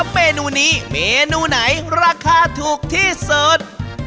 เมนูนี้เมนูไหนราคาถูกที่สุด